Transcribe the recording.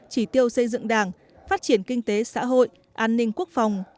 chỉ tiêu xây dựng đảng phát triển kinh tế xã hội an ninh quốc phòng